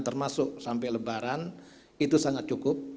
termasuk sampai lebaran itu sangat cukup